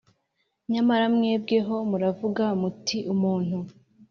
Nyamara mwebweho muravuga muti Umuntu